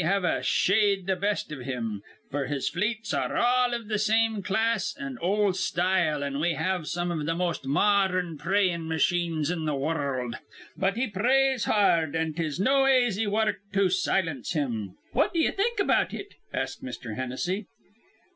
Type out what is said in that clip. We have a shade th' best iv him, f'r his fleets ar re all iv th' same class an' ol' style, an' we have some iv th' most modhern prayin' machines in the warruld; but he prays har rd, an' 'tis no aisy wurruk to silence him." "What d'ye think about it?" asked Mr. Hennessy.